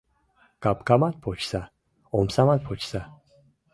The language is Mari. Капкамат почса, омсамат почса.